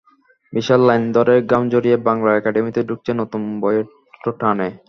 বিশাল line ধরে ঘাম ঝরিয়ে বাংলা একাডেমিতে ঢুকছেন নতুন বইয়ের টানে।